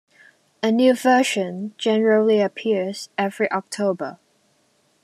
A new version generally appears every October.